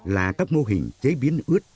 là các mô hình chế biến ướt